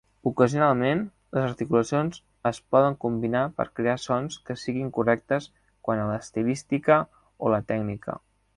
Ocasionalment, les articulacions es poden combinar per crear sons que siguin correctes quant a l'estilística o la tècnica.